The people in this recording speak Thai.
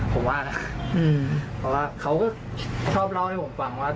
ผมว่านะเพราะว่าเขาก็ชอบเล่าให้ผมฟังว่า